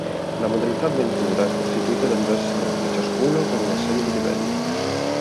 La modalità Avventura è costituita da diversi mondi, ciascuno con una serie di livelli.